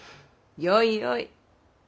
よいよい。